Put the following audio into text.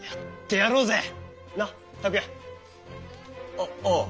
あああ！